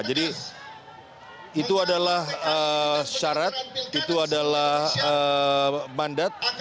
jadi itu adalah syarat itu adalah mandat